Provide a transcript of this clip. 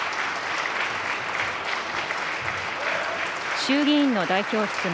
衆議院の代表質問。